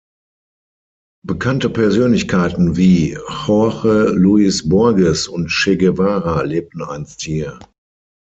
Bekannte Persönlichkeiten wie Jorge Luis Borges und Che Guevara lebten einst hier.